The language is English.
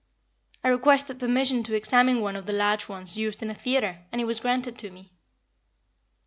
I requested permission to examine one of the large ones used in a theater, and it was granted me.